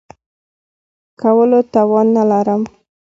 کولو توان نه لرم .